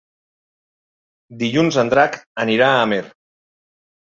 Dilluns en Drac anirà a Amer.